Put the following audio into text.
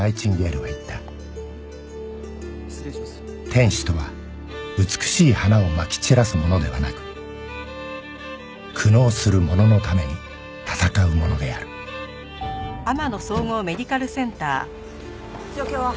「天使とは美しい花を撒き散らす者ではなく苦悩する者のために戦う者である」状況は？